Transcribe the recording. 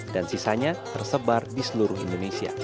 dan sisanya tersebar di seluruh indonesia